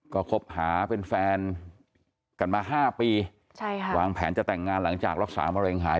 ก็คบหาเป็นแฟนกันมา๕ปีวางแผนจะแต่งงานหลังจากรักษามะเร็งหาย